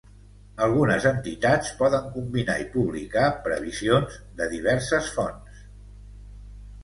Algunes entitats poden combinar y publicar previsions de diverses fonts.